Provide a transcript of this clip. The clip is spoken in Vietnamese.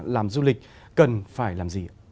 làm du lịch cần phải làm gì